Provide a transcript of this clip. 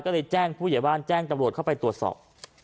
ก็เลยแจ้งผู้ใหญ่บ้านแจ้งตำรวจเข้าไปตรวจสอบ